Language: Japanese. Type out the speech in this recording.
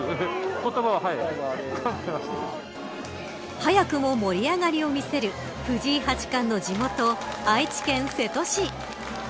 早くも盛り上がりを見せる藤井八冠の地元、愛知県瀬戸市。